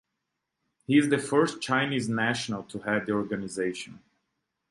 He is the first Chinese national to head the Organization.